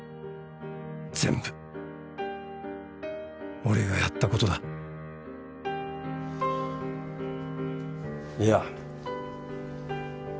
全部俺がやったことだいや。